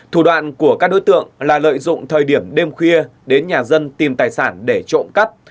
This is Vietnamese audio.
thủ đoạn của các đối tượng là lợi dụng thời điểm đêm khuya đến nhà dân tìm tài sản để trộm cắp